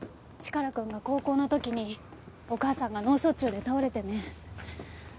チカラくんが高校の時にお母さんが脳卒中で倒れてね。